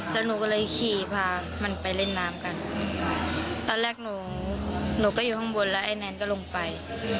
แล้วหนูก็เลยขี่พามันไปเล่นน้ำกันตอนแรกหนูหนูก็อยู่ข้างบนแล้วไอ้แนนก็ลงไป